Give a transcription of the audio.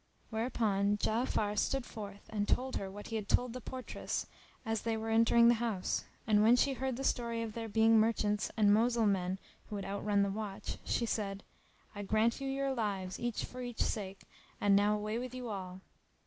Whereupon Ja'afar stood forth and told her what he had told the portress as they were entering the house; and when she heard his story of their being merchants and Mosul men who had outrun the watch, she said, "I grant you your lives each for each sake, and now away with you all."